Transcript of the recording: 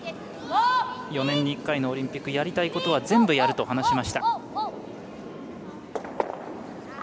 ４年に１回のオリンピックやりたいことは全部やると話しました。